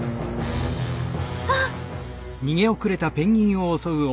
あっ！